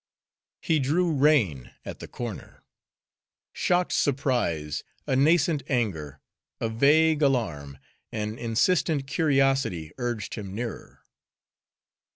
He drew rein at the corner. Shocked surprise, a nascent anger, a vague alarm, an insistent curiosity, urged him nearer.